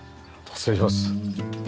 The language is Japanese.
失礼します。